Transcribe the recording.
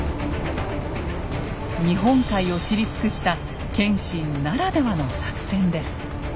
日本海を知り尽くした謙信ならではの作戦です。